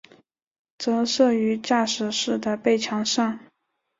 则设于驾驶室的背墙上。